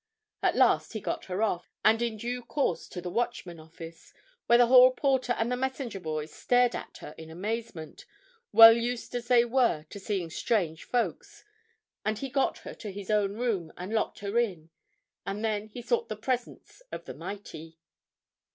At last he got her off, and in due course to the Watchman office, where the hall porter and the messenger boys stared at her in amazement, well used as they were to seeing strange folk, and he got her to his own room, and locked her in, and then he sought the presence of the mighty.